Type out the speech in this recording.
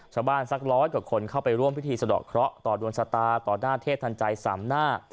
สักร้อยกว่าคนเข้าไปร่วมพิธีสะดอกเคราะห์ต่อดวงชะตาต่อหน้าเทพทันใจสามหน้า